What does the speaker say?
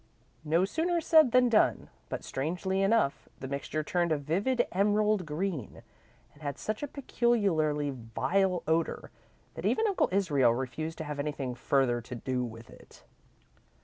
No sooner said than done, but, strangely enough, the mixture turned a vivid emerald green, and had such a peculiarly vile odour that even Uncle Israel refused to have anything further to do with it.